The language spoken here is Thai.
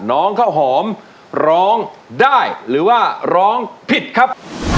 น้องข้าวหอมร้องได้หรือว่าร้องผิดครับ